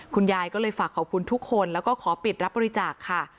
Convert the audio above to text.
คุณยายก็เลยฝากขอบคุณทุกคนแล้วก็ขอปิดรับบริจาคค่ะ